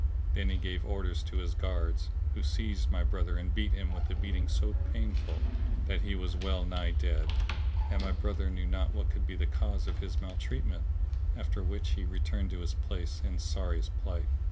Then he gave orders to his guards, who seized my brother and beat him with a beating so painful that he was well nigh dead; and my brother knew not what could be the cause of his maltreatment, after which he returned to his place in sorriest plight.